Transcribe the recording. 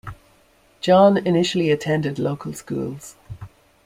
John initially attended local schools.